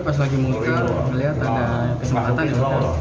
tapi pas lagi mulia melihat ada kesempatan ya